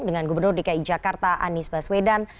dengan gubernur dki jakarta anies baswedan